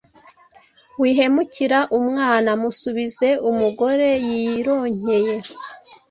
Wihemukira umwana musubize umugore yironkeye!».